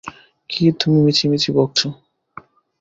কী তুমি মিছিমিছি বকছ।